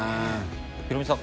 ヒロミさん